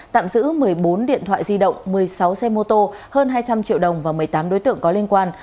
tạm giữ một mươi bốn điện thoại di động một mươi sáu xe mô tô hơn hai trăm linh triệu đồng và một mươi tám đối tượng có liên quan